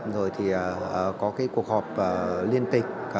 rồi thì có cái cuộc họp liên tịch